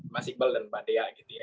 mas iqbal dan mbak dea